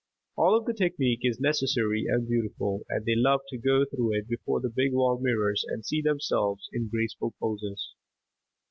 All of the technique is necessary and beautiful and they love to go through it before the big wall mirrors and see themselves in graceful poses.